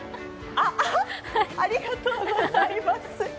ありがとうございます。